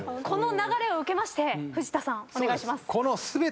この流れを受けまして藤田さんお願いします。